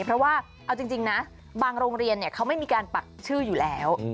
เพราะว่าเอาจริงนะบางโรงเรียนเขาไม่มีการปักชื่ออยู่แล้ว